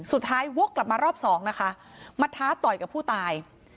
วกกลับมารอบสองนะคะมาท้าต่อยกับผู้ตาย